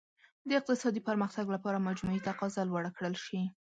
د اقتصادي پرمختګ لپاره مجموعي تقاضا لوړه کړل شي.